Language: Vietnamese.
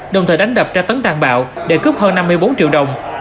đồng thời đánh đập tra tấn tàn bạo để cướp hơn năm mươi bốn triệu đồng